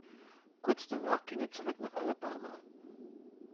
Kurz danach ging er zurück nach Alabama.